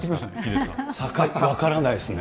境、分からないですね。